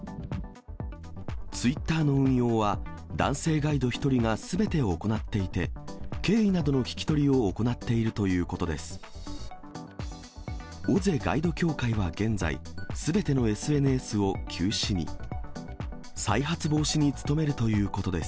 ツイッターの運用は、男性ガイド１人がすべて行っていて、経緯などの聞き取りを行っているということです。